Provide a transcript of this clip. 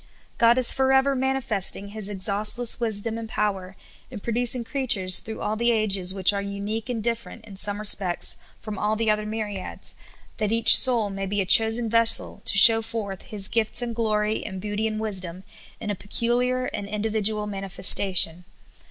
God is forever mani festing His exhaustless wisdom and power in producing creatures through all the ages which are unique and different in some respects from all the other mj^riads, that each soul may be a chosen vessel to show forth His gifts and glory and beauty and wisdom in a pecu liar and individual manifestation.